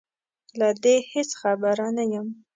له دې هېڅ خبره نه یم